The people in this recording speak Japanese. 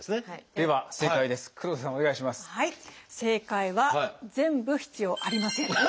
正解は全部必要ありません。